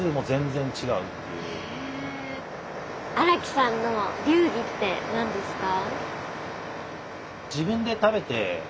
荒木さんの流儀って何ですか？